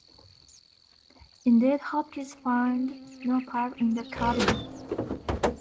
Indeed, Hopkins found no pipe in the cabin.